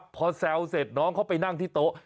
พอแซวเสร็จน้องเขาไปนั่งที่โต๊ะ